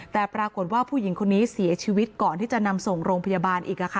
แต่ปรากฏว่าผู้หญิงคนนี้เสียชีวิตก่อนที่จะนำส่งโรงพยาบาลอีก